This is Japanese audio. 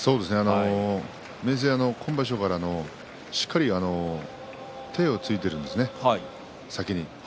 明生、今場所からしっかり手をついているんですね先に。